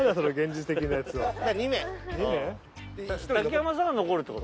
山さんが残るってこと？